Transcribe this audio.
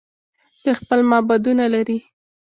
دوی خپل معبدونه لري.